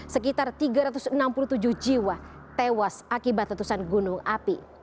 sekitar tiga ratus enam puluh tujuh jiwa tewas akibat letusan gunung api